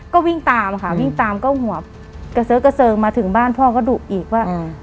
ก็วิ่งตามค่ะวิ่งตามก็หัวเกษอกเกษงมาถึงบ้านพ่อก็ดุอีกว่าอืม